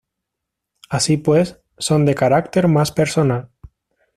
Así pues, son de carácter más personal.